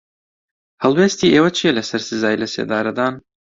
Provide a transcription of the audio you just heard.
هەڵوێستی ئێوە چییە لەسەر سزای لەسێدارەدان؟